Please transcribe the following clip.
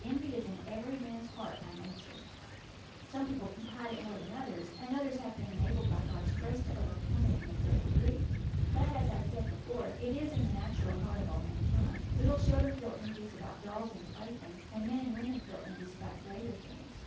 Envy is in every man's heart by nature. Some people can hide it more than others, and others have been enabled, by God's grace, to overcome it in a great degree; but, as I said before, it is in the natural heart of all mankind. Little children feel envious about dolls and playthings, and men and women feel envious about greater things."